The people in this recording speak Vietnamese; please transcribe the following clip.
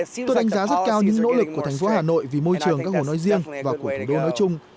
chúng tôi đánh giá rất cao những nỗ lực của thành phố hà nội vì môi trường các hồ nói riêng và của thủ đô nói chung